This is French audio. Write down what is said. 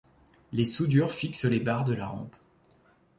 les soudures fixent les barres de la rampe